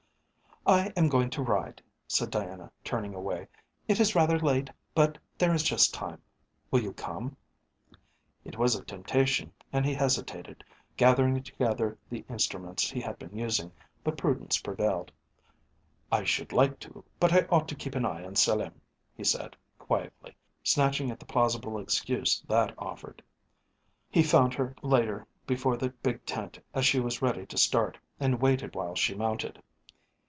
"I am going to ride," said Diana, turning away. "It is rather late, but there is just time. Will you come?" It was a temptation and he hesitated, gathering together the instruments he had been using, but prudence prevailed. "I should like to, but I ought to keep an eye on Selim," he said quietly, snatching at the plausible excuse that offered. He found her later before the big tent as she was ready to start, and waited while she mounted.